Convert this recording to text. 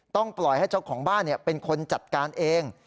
ปล่อยให้เจ้าของบ้านเป็นคนจัดการเอง